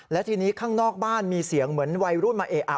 และทีนี้ข้างนอกบ้านมีเสียงเหมือนวัยรุ่นมาเอะอะ